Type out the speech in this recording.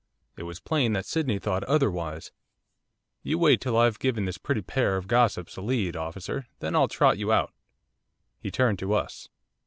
It was plain that Sydney thought otherwise. 'You wait till I've given this pretty pair of gossips a lead, officer, then I'll trot you out.' He turned to us.